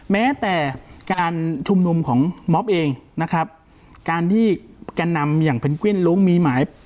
แม้แต่การชุมนุมของมอบเองนะครับการที่แก่นำอย่างเพนกวิ้นลุ้งมีหมาย